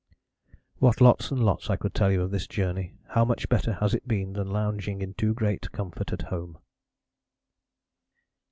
"What lots and lots I could tell you of this journey. How much better has it been than lounging in too great comfort at home."